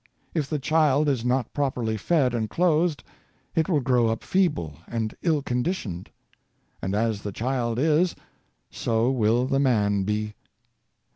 If the child is not properly fed and clothed, it will grow up feeble and ill conditioned. And as the child is, so will the man be.